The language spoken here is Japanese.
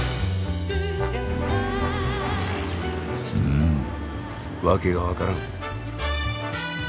うん訳が分からん。